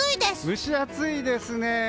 蒸し暑いですね！